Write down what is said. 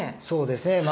そうですね。